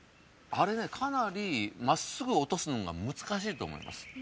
あれねかなりまっすぐおとすのがむずかしいとおもいます。